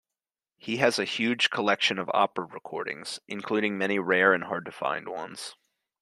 He has a huge collection of opera recordings, including many rare and hard-to-find ones.